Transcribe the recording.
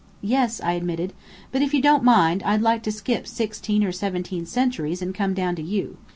"Yes," I admitted. "But if you don't mind, I'd like to skip sixteen or seventeen centuries and come down to you.